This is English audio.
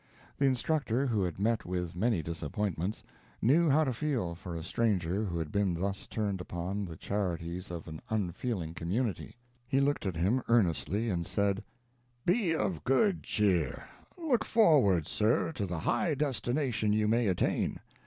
The instructor, who had met with many disappointments, knew how to feel for a stranger who had been thus turned upon the charities of an unfeeling community. He looked at him earnestly, and said: "Be of good cheer look forward, sir, to the high destination you may attain.